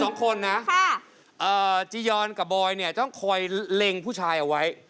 สองคนนะจียอร์และบอยต้องคอยเล็งผู้ชายเอาไว้